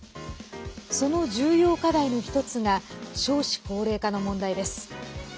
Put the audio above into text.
その重要課題の一つが少子高齢化の問題です。